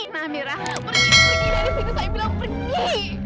nah pergi pergi dari sini saya bilang pergi